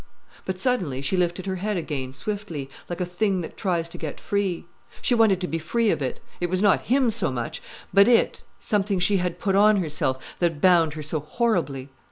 But suddenly she lifted her head again swiftly, like a thing that tries to get free. She wanted to be free of it. It was not him so much, but it, something she had put on herself, that bound her so horribly.